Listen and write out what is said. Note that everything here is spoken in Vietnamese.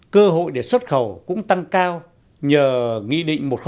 cơ hội để xuất khẩu cũng tăng cao nhờ nghị định một